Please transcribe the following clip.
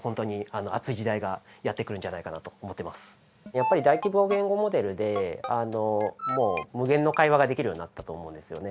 やっぱり大規模言語モデルでもう無限の会話ができるようになったと思うんですよね。